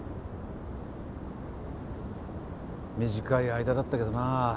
短い間だったけどなぁ。